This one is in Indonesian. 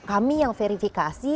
kami yang verifikasi